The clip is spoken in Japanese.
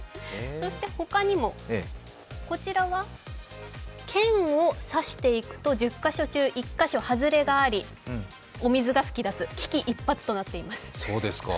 他にも、こちらは剣をさしていくと１０カ所中１カ所外れがありお水が噴き出す危機一髪となっています。